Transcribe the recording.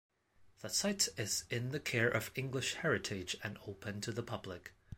The site is in the care of English Heritage and open to the public.